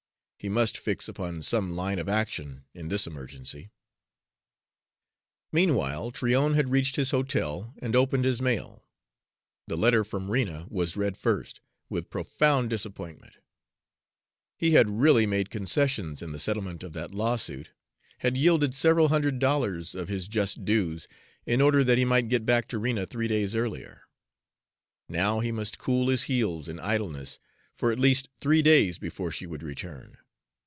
He must fix upon some line of action in this emergency. Meanwhile Tryon had reached his hotel and opened his mail. The letter from Rena was read first, with profound disappointment. He had really made concessions in the settlement of that lawsuit had yielded several hundred dollars of his just dues, in order that he might get back to Rena three days earlier. Now he must cool his heels in idleness for at least three days before she would return.